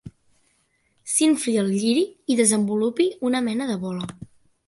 S'infli el lliri i desenvolupi una mena de bola.